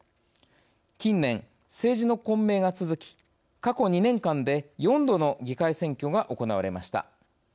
近年、政治の混迷が続き過去２年間で４度の議会選挙が行われました。